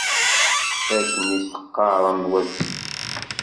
Akken i t-qqaren wat zik.